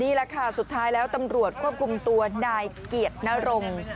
นี่แหละค่ะสุดท้ายแล้วตำรวจควบคุมตัวนายเกียรตินรง